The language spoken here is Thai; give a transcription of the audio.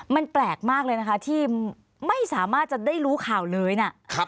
มันแปลกมากเลยนะคะที่ไม่สามารถจะได้รู้ข่าวเลยนะ